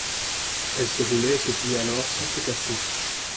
Elle se roulait et se pliait alors sans se casser.